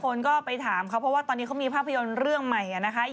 คนก็ไปถามเขาเพราะว่าตอนนี้เขามีภาพยนตร์เรื่องใหม่นะคะ